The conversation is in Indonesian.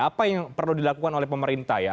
apa yang perlu dilakukan oleh pemerintah ya